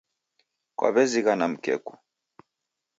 Kwaw'ezighana mkeku